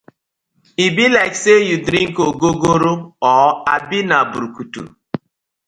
E bi like say yu dring ogogoro or abi na brukutu.